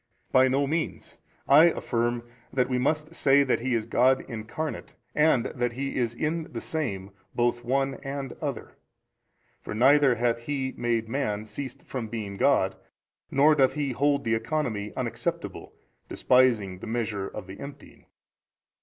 A. By no means: I affirm that we must say that He is God Incarnate, and that He is in the Same both One and Other. For neither hath He, made man, ceased from being God, nor doth He hold the Economy unacceptable, despising the measure of the emptying.